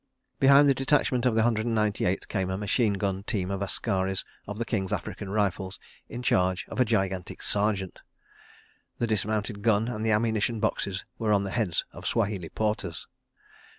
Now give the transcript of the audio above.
... Behind the detachment of the Hundred and Ninety Eighth came a machine gun team of askaris of the King's African Rifles, in charge of a gigantic Sergeant. The dismounted gun and the ammunition boxes were on the heads of Swahili porters.